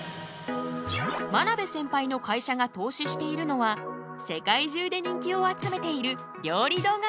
真鍋センパイの会社が投資しているのは世界中で人気を集めている料理動画メディア。